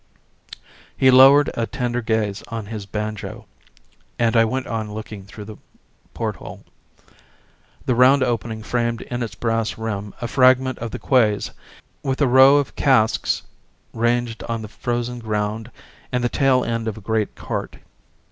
He lowered a tender gaze on his banjo and I went on looking through the porthole. The round opening framed in its brass rim a fragment of the quays, with a row of casks ranged on the frozen ground and the tailend of a great cart.